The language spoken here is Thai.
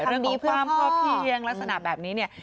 คำบีพื่อก่อเพียงลักษณะแบบนี้